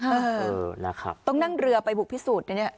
เออนะครับต้องนั่งเรือไปบุกพิสูจน์นะเนี่ย